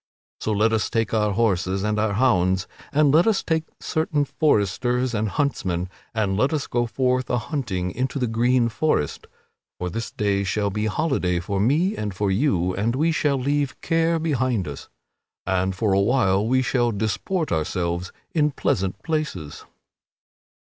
So let us take our horses and our hounds and let us take certain foresters and huntsmen, and let us go forth a hunting into the green forest; for this day shall be holiday for me and for you and we shall leave care behind us, and for a while we shall disport ourselves in pleasant places."